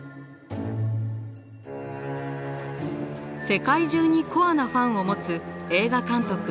世界中にコアなファンを持つ映画監督